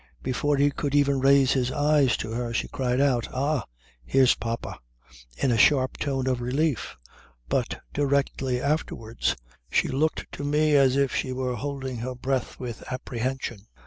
Before he could even raise his eyes to her she cried out "Ah! Here's papa" in a sharp tone of relief, but directly afterwards she looked to me as if she were holding her breath with apprehension.